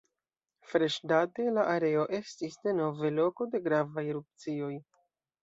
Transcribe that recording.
Freŝdate, la areo estis denove loko de gravaj erupcioj.